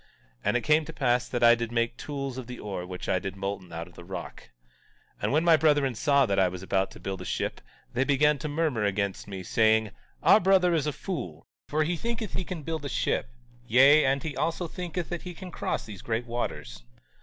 17:16 And it came to pass that I did make tools of the ore which I did molten out of the rock. 17:17 And when my brethren saw that I was about to build a ship, they began to murmur against me, saying: Our brother is a fool, for he thinketh that he can build a ship; yea, and he also thinketh that he can cross these great waters.